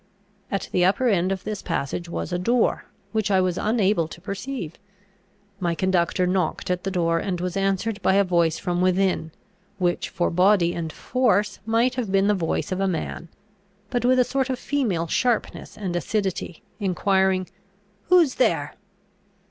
At the upper end of this passage was a door, which I was unable to perceive. My conductor knocked at the door, and was answered by a voice from within, which, for body and force, might have been the voice of a man, but with a sort of female sharpness and acidity, enquiring, "Who is there?"